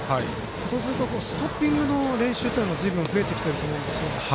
そうすると、ストッピングの練習というのもずいぶん増えてきていると思います。